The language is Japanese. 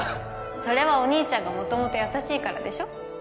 それはお兄ちゃんがもともと優しいからでしょ